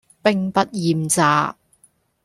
兵不厭詐